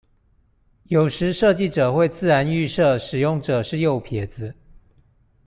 有時設計者會自然預設使用者是右撇子